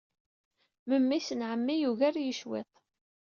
Memmi-s n ɛemmi yugar-iyi cwiṭ.